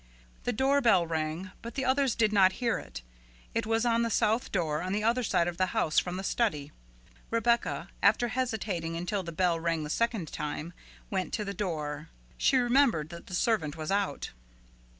The doorbell rang, but the others did not hear it; it was on the south door on the other side of the house from the study. Rebecca, after hesitating until the bell rang the second time, went to the door; she remembered that the servant was out.